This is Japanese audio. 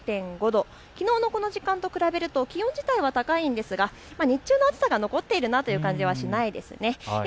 きのうのこの時間と比べると気温自体は高いんですが日中の暑さが残っているなという感じはしないです。